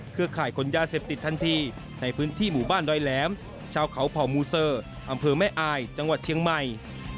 ข่ายขนยาเสพติดทันทีในพื้นที่หมู่บ้านดอยแหลมชาวเขาเผ่ามูเซอร์อำเภอแม่อายจังหวัดเชียงใหม่